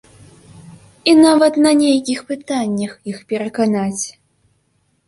І нават на нейкіх пытаннях іх пераканаць.